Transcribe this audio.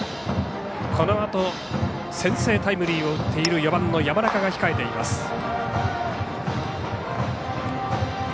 このあと先制タイムリーを打っている４番の山中が控えています。